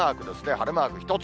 晴れマーク１つ。